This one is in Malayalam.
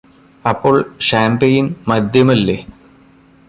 അപ്പോൾ ഷാംപെയിന് മദ്യമല്ലേ